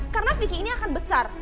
karena vicky ini akan besar